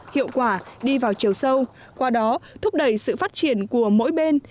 hiệu quả đi vào chiều sâu qua đó thúc đẩy sự phát triển của mỗi bên